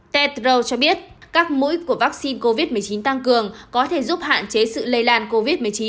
tedro cho biết các mũi của vaccine covid một mươi chín tăng cường có thể giúp hạn chế sự lây lan covid một mươi chín